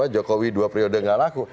jokowi dua periode gak laku